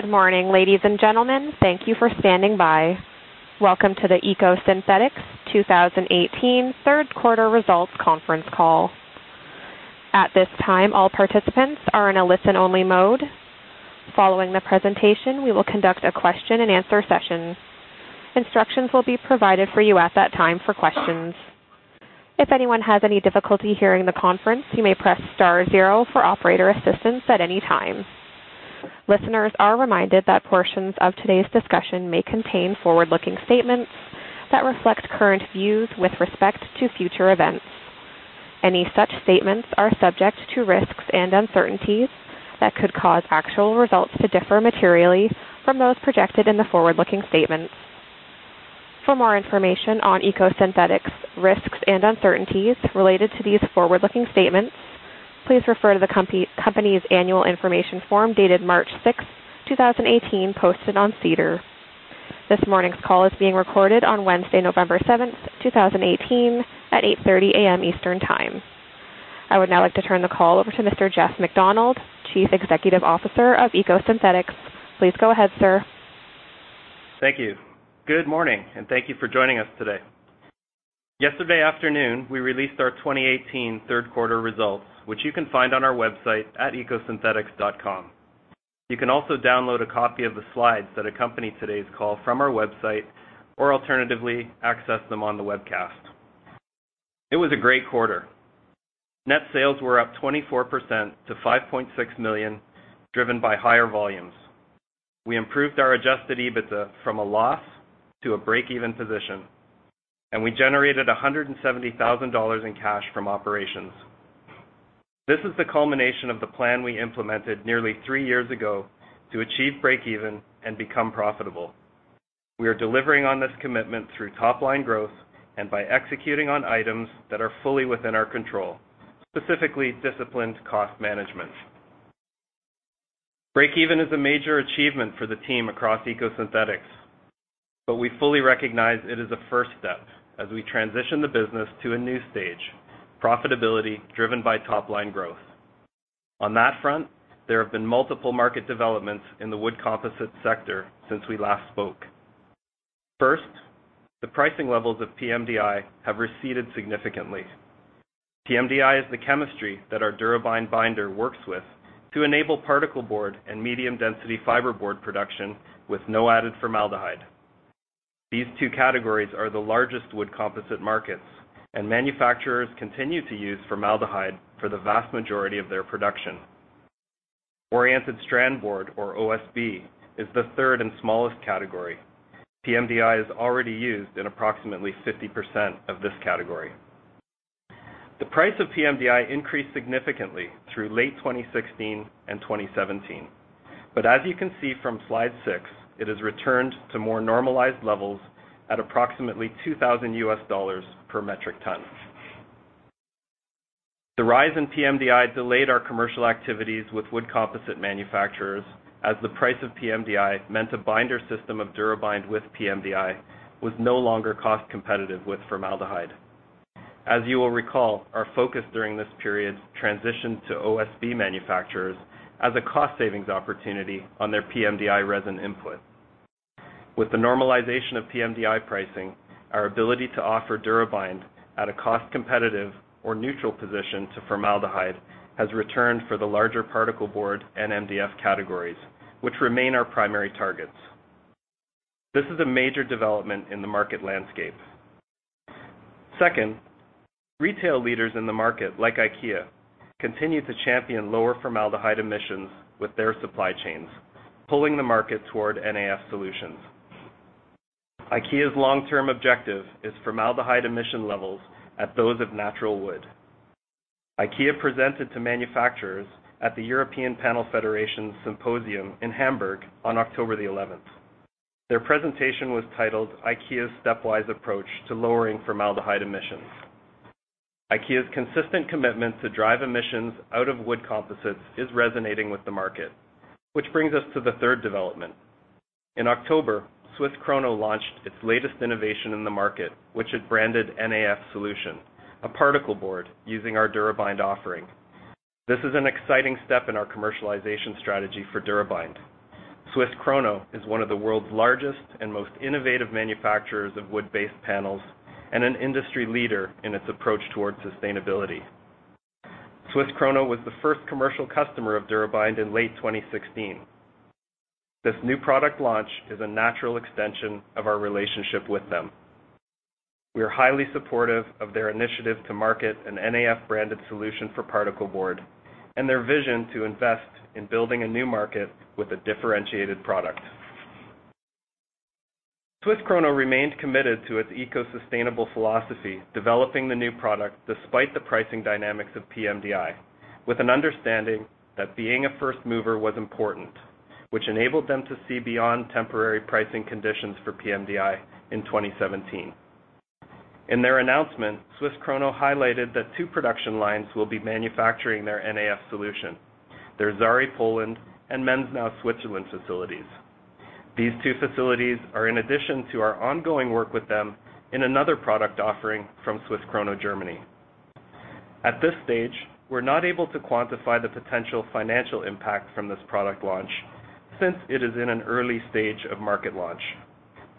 Good morning, ladies and gentlemen. Thank you for standing by. Welcome to the EcoSynthetix 2018 third quarter results conference call. At this time, all participants are in a listen-only mode. Following the presentation, we will conduct a question and answer session. Instructions will be provided for you at that time for questions. If anyone has any difficulty hearing the conference, you may press star zero for operator assistance at any time. Listeners are reminded that portions of today's discussion may contain forward-looking statements that reflect current views with respect to future events. Any such statements are subject to risks and uncertainties that could cause actual results to differ materially from those projected in the forward-looking statements. For more information on EcoSynthetix risks and uncertainties related to these forward-looking statements, please refer to the company's annual information form dated March 6th, 2018, posted on SEDAR. This morning's call is being recorded on Wednesday, November 7th, 2018, at 8:30 A.M. Eastern Time. I would now like to turn the call over to Mr. Jeff MacDonald, Chief Executive Officer of EcoSynthetix. Please go ahead, sir. Thank you. Good morning, and thank you for joining us today. Yesterday afternoon, we released our 2018 third quarter results, which you can find on our website at ecosynthetix.com. You can also download a copy of the slides that accompany today's call from our website, or alternatively, access them on the webcast. It was a great quarter. Net sales were up 24% to $5.6 million, driven by higher volumes. We improved our adjusted EBITDA from a loss to a break-even position, and we generated $170,000 in cash from operations. This is the culmination of the plan we implemented nearly three years ago to achieve break even and become profitable. We are delivering on this commitment through top-line growth and by executing on items that are fully within our control, specifically disciplined cost management. Break even is a major achievement for the team across EcoSynthetix, but we fully recognize it is a first step as we transition the business to a new stage, profitability driven by top-line growth. On that front, there have been multiple market developments in the wood composite sector since we last spoke. First, the pricing levels of pMDI have receded significantly. pMDI is the chemistry that our DuraBind binder works with to enable particleboard and medium-density fiberboard production with no added formaldehyde. These two categories are the largest wood composite markets, and manufacturers continue to use formaldehyde for the vast majority of their production. Oriented strand board, or OSB, is the third and smallest category. pMDI is already used in approximately 50% of this category. The price of pMDI increased significantly through late 2016 and 2017. As you can see from slide six, it has returned to more normalized levels at approximately $2,000/metric ton. The rise in pMDI delayed our commercial activities with wood composite manufacturers as the price of pMDI meant a binder system of DuraBind with pMDI was no longer cost-competitive with formaldehyde. As you will recall, our focus during this period transitioned to OSB manufacturers as a cost savings opportunity on their pMDI resin input. With the normalization of pMDI pricing, our ability to offer DuraBind at a cost-competitive or neutral position to formaldehyde has returned for the larger particleboard and MDF categories, which remain our primary targets. This is a major development in the market landscape. Second, retail leaders in the market like IKEA, continue to champion lower formaldehyde emissions with their supply chains, pulling the market toward NAF solutions. IKEA's long-term objective is formaldehyde emission levels at those of natural wood. IKEA presented to manufacturers at the European Panel Federation Symposium in Hamburg on October the 11th. Their presentation was titled IKEA's Stepwise Approach to Lowering Formaldehyde Emissions. IKEA's consistent commitment to drive emissions out of wood composites is resonating with the market, which brings us to the third development. In October, Swiss Krono launched its latest innovation in the market, which it branded NAF Solution, a particleboard using our DuraBind offering. This is an exciting step in our commercialization strategy for DuraBind. Swiss Krono is one of the world's largest and most innovative manufacturers of wood-based panels and an industry leader in its approach towards sustainability. Swiss Krono was the first commercial customer of DuraBind in late 2016. This new product launch is a natural extension of our relationship with them. We are highly supportive of their initiative to market an NAF-branded solution for particleboard and their vision to invest in building a new market with a differentiated product. Swiss Krono remained committed to its eco-sustainable philosophy, developing the new product despite the pricing dynamics of pMDI, with an understanding that being a first mover was important, which enabled them to see beyond temporary pricing conditions for pMDI in 2017. In their announcement, Swiss Krono highlighted that two production lines will be manufacturing their NAF Solution, their Żary, Poland, and Menznau, Switzerland facilities. These two facilities are in addition to our ongoing work with them in another product offering from Swiss Krono Germany. At this stage, we're not able to quantify the potential financial impact from this product launch, since it is in an early stage of market launch.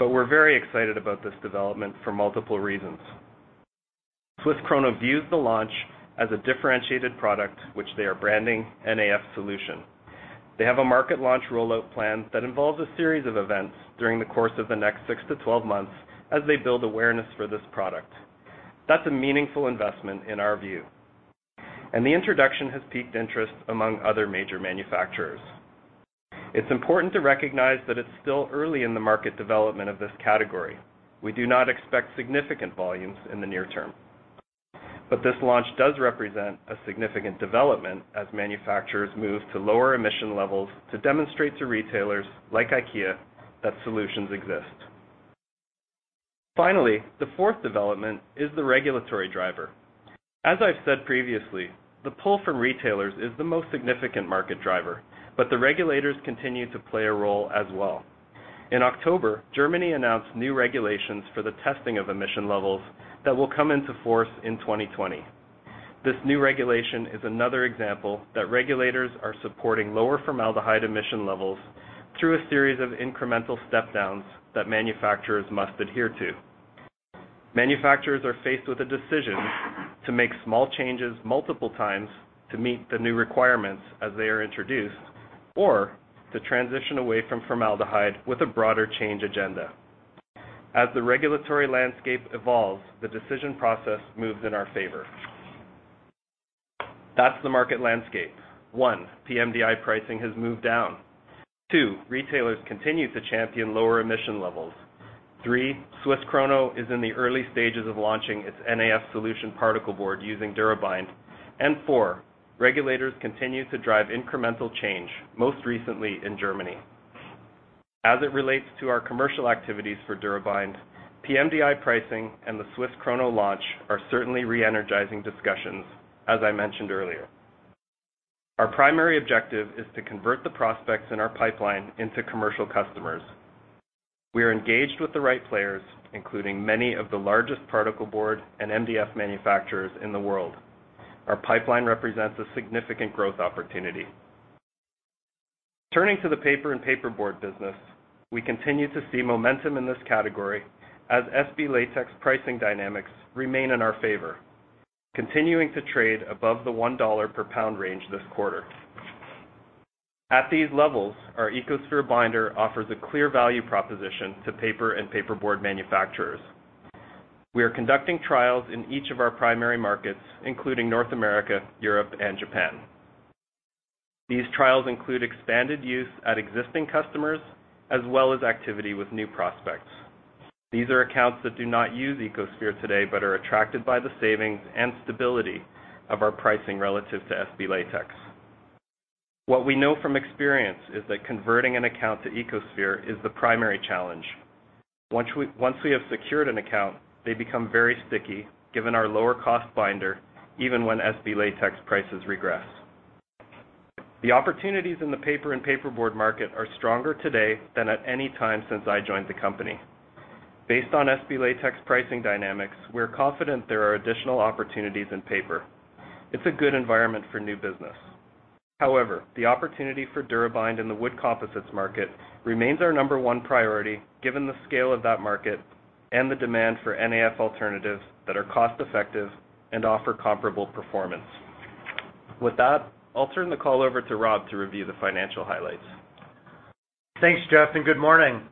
We're very excited about this development for multiple reasons. Swiss Krono views the launch as a differentiated product, which they are branding NAF Solution. They have a market launch rollout plan that involves a series of events during the course of the next 6-12 months as they build awareness for this product. That's a meaningful investment in our view. The introduction has piqued interest among other major manufacturers. It's important to recognize that it's still early in the market development of this category. We do not expect significant volumes in the near term. This launch does represent a significant development as manufacturers move to lower emission levels to demonstrate to retailers like IKEA that solutions exist. Finally, the fourth development is the regulatory driver. As I've said previously, the pull from retailers is the most significant market driver, but the regulators continue to play a role as well. In October, Germany announced new regulations for the testing of emission levels that will come into force in 2020. This new regulation is another example that regulators are supporting lower formaldehyde emission levels through a series of incremental step downs that manufacturers must adhere to. Manufacturers are faced with a decision to make small changes multiple times to meet the new requirements as they are introduced, or to transition away from formaldehyde with a broader change agenda. As the regulatory landscape evolves, the decision process moves in our favor. That's the market landscape. One, pMDI pricing has moved down. Two, retailers continue to champion lower emission levels. Three, Swiss Krono is in the early stages of launching its NAF Solution particleboard using DuraBind. Four, regulators continue to drive incremental change, most recently in Germany. As it relates to our commercial activities for DuraBind, pMDI pricing and the Swiss Krono launch are certainly re-energizing discussions, as I mentioned earlier. Our primary objective is to convert the prospects in our pipeline into commercial customers. We are engaged with the right players, including many of the largest particleboard and MDF manufacturers in the world. Our pipeline represents a significant growth opportunity. Turning to the paper and paperboard business, we continue to see momentum in this category as SB Latex pricing dynamics remain in our favor, continuing to trade above the $1 per pound range this quarter. At these levels, our EcoSphere binder offers a clear value proposition to paper and paperboard manufacturers. We are conducting trials in each of our primary markets, including North America, Europe, and Japan. These trials include expanded use at existing customers, as well as activity with new prospects. These are accounts that do not use EcoSphere today, but are attracted by the savings and stability of our pricing relative to SB Latex. What we know from experience is that converting an account to EcoSphere is the primary challenge. Once we have secured an account, they become very sticky, given our lower cost binder, even when SB Latex prices regress. The opportunities in the paper and paperboard market are stronger today than at any time since I joined the company. Based on SB Latex pricing dynamics, we're confident there are additional opportunities in paper. It's a good environment for new business. The opportunity for DuraBind in the wood composites market remains our number one priority, given the scale of that market and the demand for NAF alternatives that are cost effective and offer comparable performance. With that, I'll turn the call over to Rob to review the financial highlights. Thanks, Jeff, and good morning.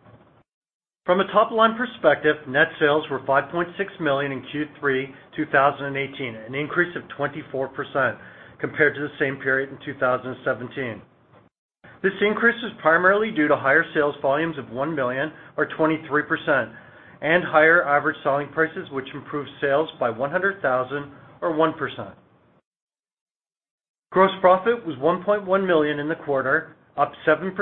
From a top-line perspective, net sales were $5.6 million in Q3 2018, an increase of 24% compared to the same period in 2017. This increase was primarily due to higher sales volumes of $1 million or 23%, and higher average selling prices, which improved sales by $100,000 or 1%. Gross profit was $1.1 million in the quarter, up 7%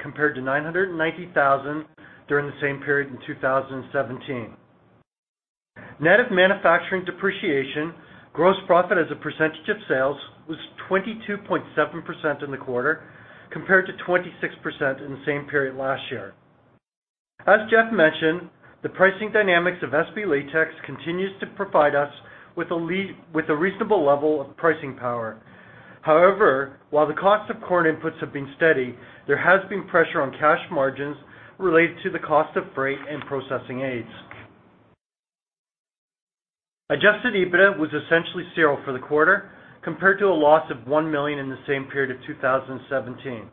compared to $990,000 during the same period in 2017. Net of manufacturing depreciation, gross profit as a percentage of sales was 22.7% in the quarter, compared to 26% in the same period last year. As Jeff mentioned, the pricing dynamics of SB Latex continues to provide us with a reasonable level of pricing power. However, while the cost of corn inputs have been steady, there has been pressure on cash margins related to the cost of freight and processing aids. Adjusted EBITDA was essentially zero for the quarter, compared to a loss of $1 million in the same period of 2017.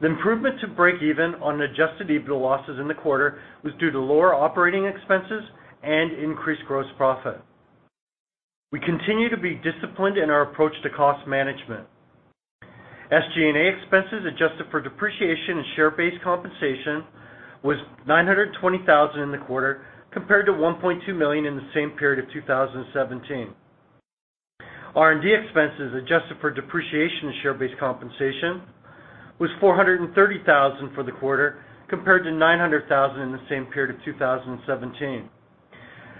The improvement to break even on adjusted EBITDA losses in the quarter was due to lower operating expenses and increased gross profit. We continue to be disciplined in our approach to cost management. SG&A expenses adjusted for depreciation and share-based compensation was $920,000 in the quarter, compared to $1.2 million in the same period of 2017. R&D expenses adjusted for depreciation and share-based compensation was $430,000 for the quarter, compared to $900,000 in the same period of 2017.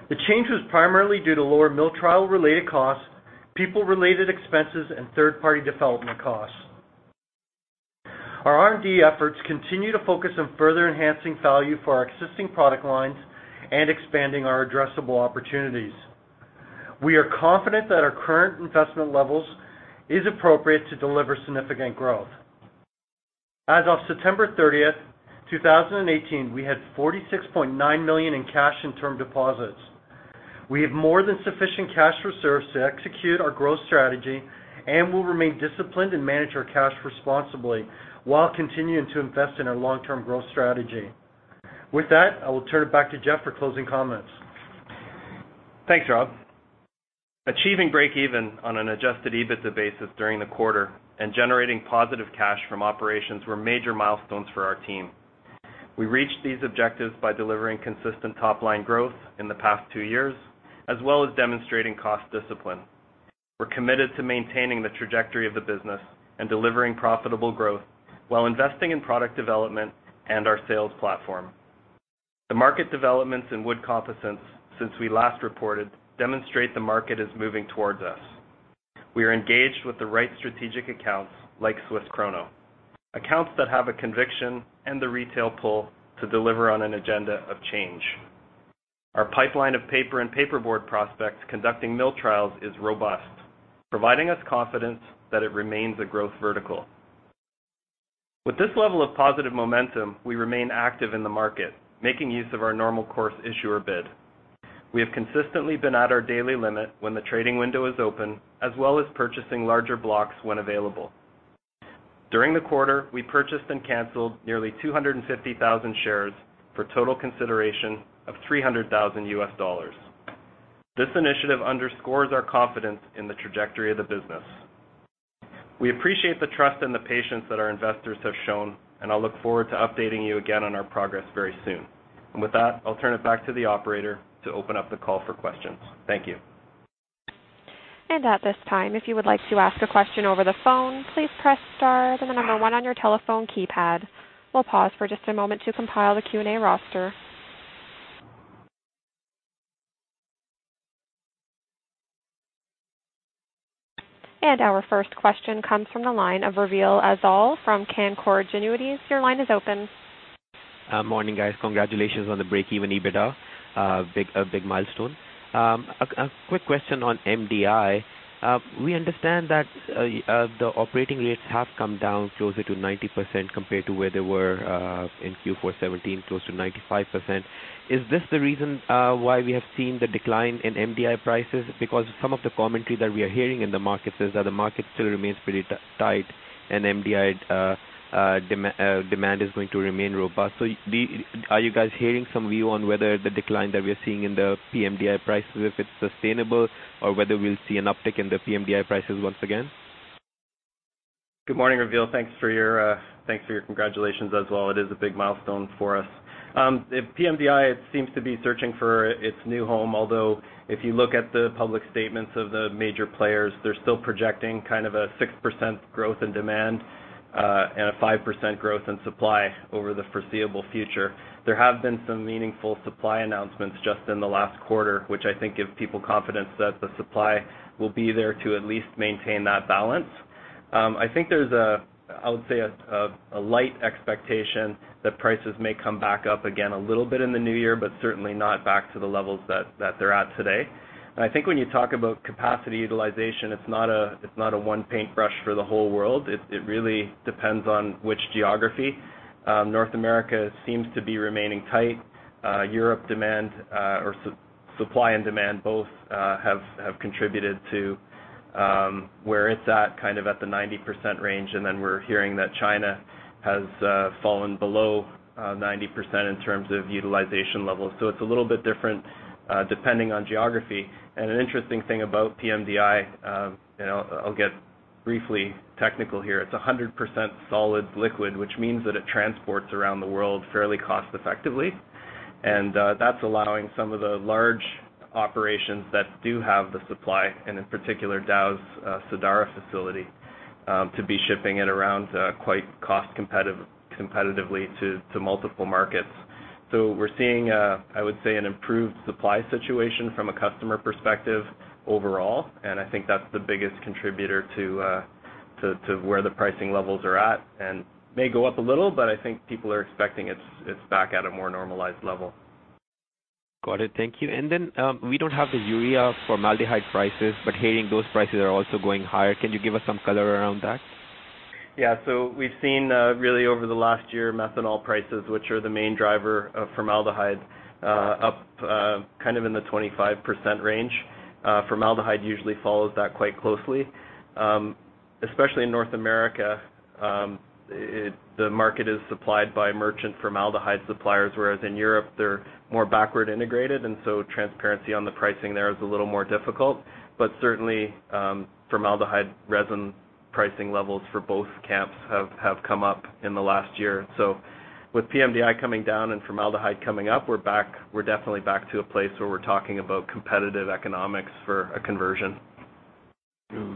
The change was primarily due to lower mill trial related costs, people related expenses, and third party development costs. Our R&D efforts continue to focus on further enhancing value for our existing product lines and expanding our addressable opportunities. We are confident that our current investment levels is appropriate to deliver significant growth. As of September 30th, 2018, we had $46.9 million in cash and term deposits. We have more than sufficient cash reserves to execute our growth strategy and will remain disciplined and manage our cash responsibly while continuing to invest in our long-term growth strategy. With that, I will turn it back to Jeff for closing comments. Thanks, Rob. Achieving break even on an adjusted EBITDA basis during the quarter and generating positive cash from operations were major milestones for our team. We reached these objectives by delivering consistent top-line growth in the past two years, as well as demonstrating cost discipline. We're committed to maintaining the trajectory of the business and delivering profitable growth while investing in product development and our sales platform. The market developments in wood composites since we last reported demonstrate the market is moving towards us. We are engaged with the right strategic accounts like Swiss Krono, accounts that have a conviction and the retail pull to deliver on an agenda of change. Our pipeline of paper and paperboard prospects conducting mill trials is robust, providing us confidence that it remains a growth vertical. With this level of positive momentum, we remain active in the market, making use of our normal course issuer bid. We have consistently been at our daily limit when the trading window is open, as well as purchasing larger blocks when available. During the quarter, we purchased and canceled nearly 250,000 shares for a total consideration of $300,000. This initiative underscores our confidence in the trajectory of the business. We appreciate the trust and the patience that our investors have shown, and I look forward to updating you again on our progress very soon. With that, I'll turn it back to the operator to open up the call for questions. Thank you. At this time, if you would like to ask a question over the phone, please press star, then the number one on your telephone keypad. We'll pause for just a moment to compile the Q&A roster. Our first question comes from the line of Raveel Afzaal from Canaccord Genuity. Your line is open. Morning, guys. Congratulations on the break-even EBITDA, a big milestone. A quick question on MDI. We understand that the operating rates have come down closer to 90% compared to where they were in Q4 2017, close to 95%. Is this the reason why we have seen the decline in MDI prices? Some of the commentary that we are hearing in the market is that the market still remains pretty tight and MDI demand is going to remain robust. Are you guys hearing some view on whether the decline that we are seeing in the pMDI prices, if it's sustainable, or whether we'll see an uptick in the pMDI prices once again? Good morning, Raveel. Thanks for your congratulations as well. It is a big milestone for us. pMDI seems to be searching for its new home, although if you look at the public statements of the major players, they're still projecting kind of a 6% growth in demand and a 5% growth in supply over the foreseeable future. There have been some meaningful supply announcements just in the last quarter, which I think give people confidence that the supply will be there to at least maintain that balance. I think there's a, I would say, a light expectation that prices may come back up again a little bit in the new year, but certainly not back to the levels that they're at today. I think when you talk about capacity utilization, it's not a one paintbrush for the whole world. It really depends on which geography. North America seems to be remaining tight. Europe demand or supply and demand both have contributed to where it's at, kind of at the 90% range. We're hearing that China has fallen below 90% in terms of utilization levels. It's a little bit different depending on geography. An interesting thing about pMDI, and I'll get briefly technical here. It's 100% solid liquid, which means that it transports around the world fairly cost effectively, and that's allowing some of the large operations that do have the supply, and in particular Dow's Sadara facility, to be shipping it around quite cost competitively to multiple markets. We're seeing, I would say, an improved supply situation from a customer perspective overall. I think that's the biggest contributor to where the pricing levels are at and may go up a little. I think people are expecting it's back at a more normalized level. Got it. Thank you. We don't have the urea formaldehyde prices. Hearing those prices are also going higher. Can you give us some color around that? Yeah. We've seen really over the last year, methanol prices, which are the main driver of formaldehyde, up kind of in the 25% range. Formaldehyde usually follows that quite closely. Especially in North America, the market is supplied by merchant formaldehyde suppliers, whereas in Europe, they're more backward integrated. Transparency on the pricing there is a little more difficult. Certainly, formaldehyde resin pricing levels for both camps have come up in the last year. With pMDI coming down and formaldehyde coming up, we're definitely back to a place where we're talking about competitive economics for a conversion.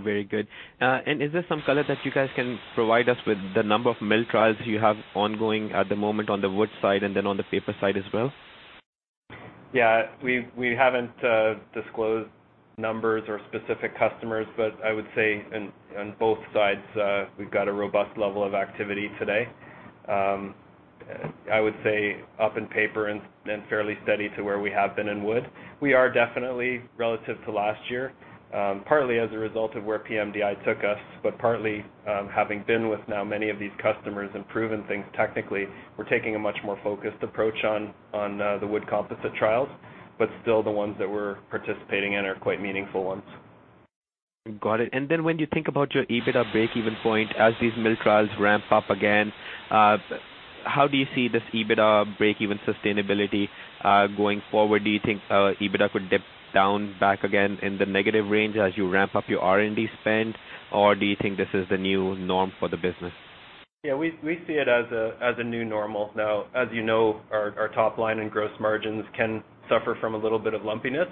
Very good. Is there some color that you guys can provide us with the number of mill trials you have ongoing at the moment on the wood side and then on the paper side as well? Yeah. We haven't disclosed numbers or specific customers, but I would say on both sides, we've got a robust level of activity today. I would say up in paper and fairly steady to where we have been in wood. We are definitely, relative to last year, partly as a result of where pMDI took us, but partly having been with now many of these customers and proven things technically, we're taking a much more focused approach on the wood composite trials, but still the ones that we're participating in are quite meaningful ones. Got it. When you think about your EBITDA breakeven point, as these mill trials ramp up again, how do you see this EBITDA breakeven sustainability going forward? Do you think EBITDA could dip down back again in the negative range as you ramp up your R&D spend? Do you think this is the new norm for the business? Yeah, we see it as a new normal. Now, as you know, our top line and gross margins can suffer from a little bit of lumpiness.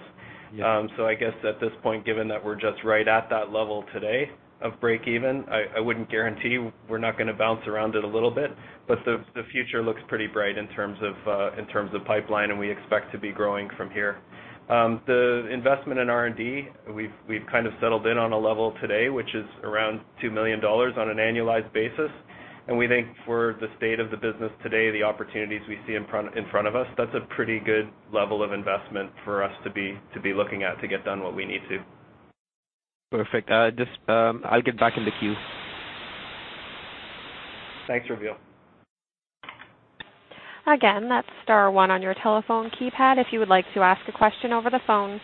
Yeah. I guess at this point, given that we're just right at that level today of breakeven, I wouldn't guarantee we're not going to bounce around it a little bit. The future looks pretty bright in terms of pipeline, and we expect to be growing from here. The investment in R&D, we've kind of settled in on a level today, which is around $2 million on an annualized basis. We think for the state of the business today, the opportunities we see in front of us, that's a pretty good level of investment for us to be looking at to get done what we need to. Perfect. I'll get back in the queue. Thanks, Raveel. Again, that's star one on your telephone keypad if you would like to ask a question over the phone.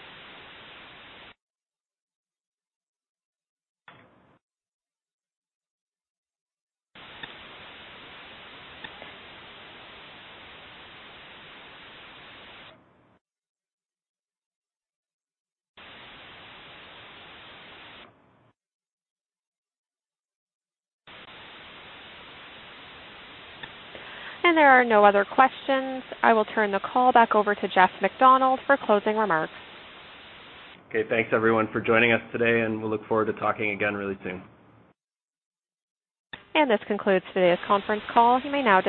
There are no other questions. I will turn the call back over to Jeff MacDonald for closing remarks. Okay. Thanks everyone for joining us today, and we'll look forward to talking again really soon. This concludes today's conference call. You may now disconnect.